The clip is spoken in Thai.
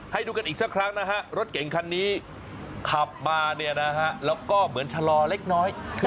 ให้ดูกันอีกสักครั้งนะฮะรถเก่งคันนี้ขับมาแล้วก็เหมือนชะลอเล็กน้อย